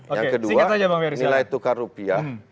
yang kedua nilai tukar rupiah